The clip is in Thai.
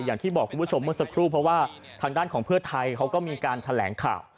อย่างที่บอกคุณผู้ชมเมื่อสักครู่เพราะว่าทางด้านของเพื่อไทยเขาก็มีการแถลงข่าว